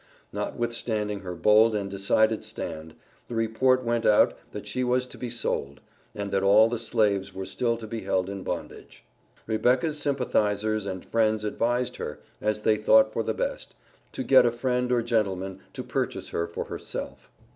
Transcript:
Notwithstanding her bold and decided stand, the report went out that she was to be sold, and that all the slaves were still to be held in bondage. Rebecca's sympathizers and friends advised her, as they thought for the best, to get a friend or gentleman to purchase her for herself.